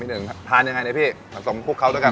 พี่หนึ่งทานยังไงนะพี่ผสมคลุกเขาด้วยกัน